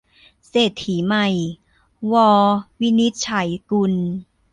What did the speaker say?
เศรษฐีใหม่ - ว วินิจฉัยกุล